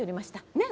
ねっ？